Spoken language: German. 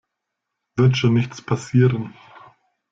Wird schon nichts passieren.